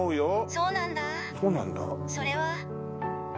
そうなんだぁそれは。